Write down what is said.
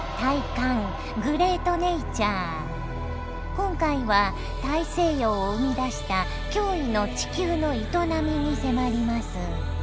今回は大西洋を生み出した驚異の地球の営みに迫ります。